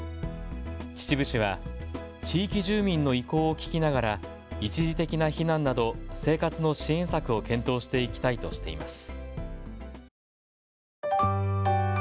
秩父市は地域住民の意向を聞きながら一時的な避難など生活の支援策を検討していきたいとしています。